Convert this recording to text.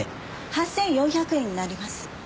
８４００円になります。